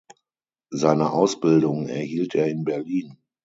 Seine Ausbildung erhielt er in Berlin.